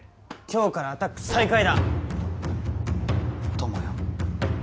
今日からアタック再開だ友よ